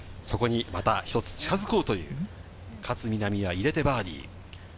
そこにまた一つ近づこうという勝みなみが入れてバーディー。